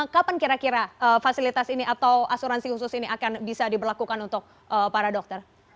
kapan kira kira fasilitas ini atau asuransi khusus ini akan bisa diberlakukan untuk para dokter